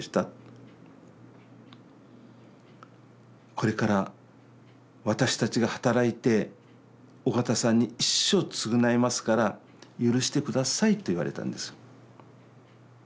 これから私たちが働いて緒方さんに一生償いますから許して下さい」と言われたんです。